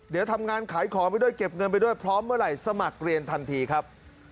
เดี๋ยวทำงานขายของไปด้วยเก็บเงินไปด้วยพร้อมเมื่อไหร่สมัครเรียนทันทีครับ